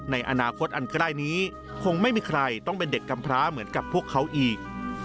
ในอนาคตอันใกล้นี้คงไม่มีใครต้องเป็นเด็กกำพร้าเหมือนกับพวกเขาอีก